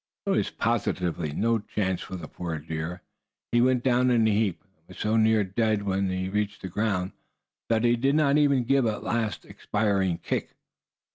There was positively no chance for the poor deer. He went down in a heap, and was so near dead when he reached the ground that he did not even give a last expiring kick.